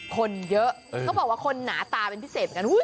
คนเยอะเขาบอกว่าคนหนาตาเป็นพิเศษเหมือนกัน